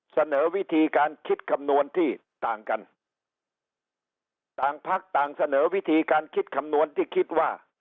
เสนอวิธีการคิดคำนวณที่ต่างกันต่างพักต่างเสนอวิธีการคิดคำนวณที่คิดว่า